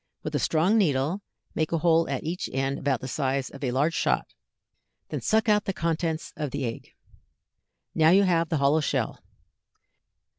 With a strong needle make a hole at each end about the size of a large shot, then suck out the contents of the egg. Now you have the hollow shell.